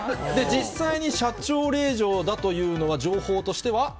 実際に社長令嬢だというのは、情報としては？